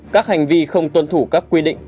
các hành vi không tuân thủ các quy định